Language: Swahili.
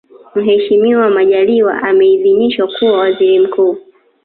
Mheshimiwa Majaliwa ameidhiniswa kuwa Waziri Mkuu